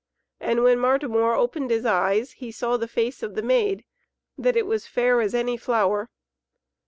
And when Martimor opened his eyes he saw the face of the maid that it was fair as any flower.